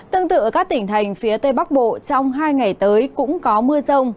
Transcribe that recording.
tương tự ở các tỉnh thành phía tây bắc bộ trong hai ngày tới cũng có mưa rông